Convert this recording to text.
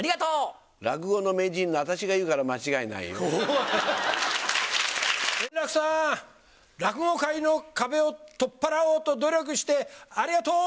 落語の名人の私が言うから間円楽さん、落語会の壁を取っ払おうと努力してありがとう。